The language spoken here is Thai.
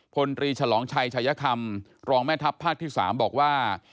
พลตรีฉลองชัยชายคำรองแม่ทัพภาคที่๓บอกว่า